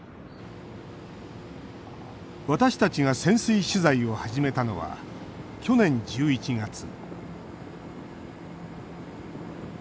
私たちが潜水取材を始めたのは去年１１月。